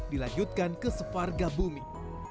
dilanjutkan ke sefarga bumi